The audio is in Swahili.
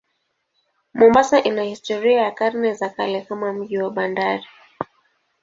Mombasa ina historia ya karne za kale kama mji wa bandari.